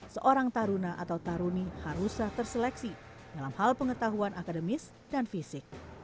seorang taruna atau taruni haruslah terseleksi dalam hal pengetahuan akademis dan fisik